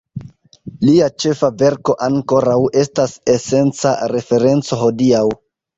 Lia ĉefa verko ankoraŭ estas esenca referenco hodiaŭ.